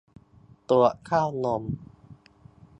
ตรวจเต้านม